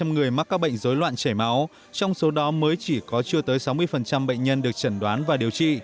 sáu mươi người mắc các bệnh dối loạn chảy máu trong số đó mới chỉ có chưa tới sáu mươi bệnh nhân được chẩn đoán và điều trị